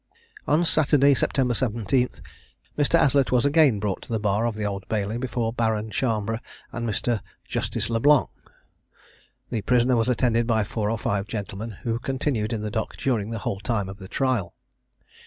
On Saturday, September 17, Mr. Aslett was again brought to the bar of the Old Bailey, before Baron Chambre and Mr. Justice Le Blanc. The prisoner was attended by four or five gentlemen, who continued in the Dock during the whole time of the trial.